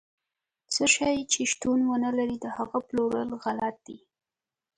څه شی چې شتون ونه لري، د هغه پلورل غلط دي.